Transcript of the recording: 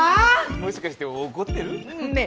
もしかして怒ってる？ねぇ